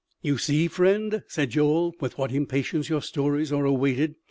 "You see, friend," said Joel, "with what impatience your stories are awaited.